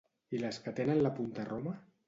I les que tenen la punta roma?